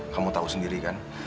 kamu tau sendiri kan